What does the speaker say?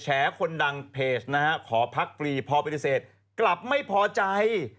คนดังเพจนะฮะขอพักฟรีพอปฏิเสธกลับไม่พอใจ